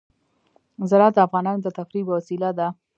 زراعت د افغانانو د تفریح یوه وسیله ده.